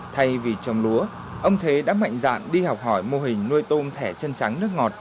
thay vì trồng lúa ông thế đã mạnh dạn đi học hỏi mô hình nuôi tôm thẻ chân trắng nước ngọt